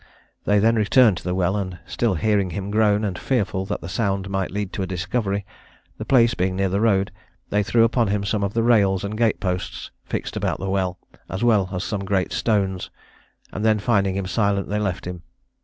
They then returned to the well; and still hearing him groan, and fearful that the sound might lead to a discovery, the place being near the road, they threw upon him some of the rails and gate posts fixed about the well, as well as some great stones; and then finding him silent, they left him.